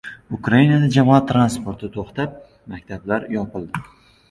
Ukrainada jamoat transporti to‘xtab, maktablar yopildi